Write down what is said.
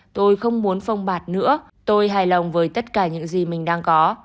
tôi không muốn phong bạt nữa tôi hài lòng với tất cả những gì mình đang có